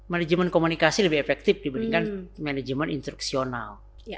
manajemen komunikasi lebih efektif dibandingkan manajemen instruksional